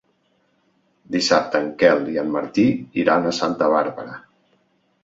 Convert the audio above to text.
Dissabte en Quel i en Martí iran a Santa Bàrbara.